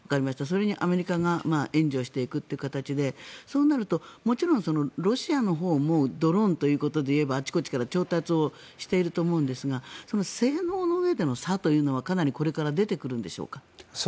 それにアメリカが援助していくという形でそうなると、もちろんロシアのほうもドローンということでいえばあちこちから調達をしていると思うんですが性能のうえでの差というのはかなりこれから出てくるんでしょうか？